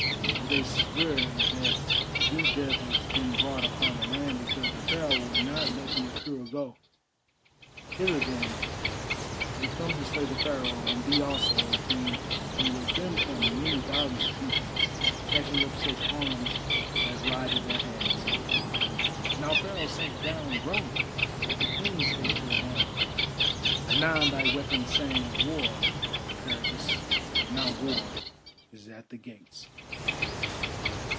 For they swear that this death has been brought upon the land because the Pharaoh will not let the Apura go. Hither, then, they come to slay the Pharaoh, and thee also, O Queen, and with them come many thousands of people, catching up such arms as lie to their hands." Now Pharaoh sank down groaning, but the Queen spake to the Wanderer: "Anon thy weapon sang of war, Eperitus; now war is at the gates."